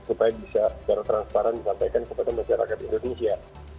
supaya bisa secara transparan disampaikan kepada masyarakat indonesia